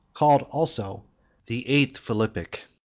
CALLED ALSO THE NINTH PHILIPPIO.